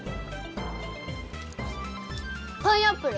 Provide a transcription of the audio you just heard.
パイナップル！